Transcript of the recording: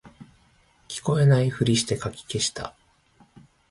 聞こえないふりしてかき消した